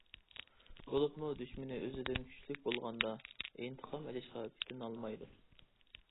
بولۇپمۇ دۈشمىنى ئۆزىدىن كۈچلۈك بولغاندا ئىنتىقام ئېلىشقا پېتىنالمايدۇ.